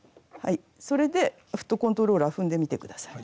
それでフットコントローラー踏んでみて下さい。